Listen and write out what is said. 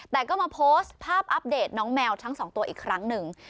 แต่ก็มาโพสต์ภาพอัปเดตน้องแมวทั้งสองตัวอีกครั้งหนึ่ง